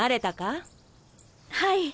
はい。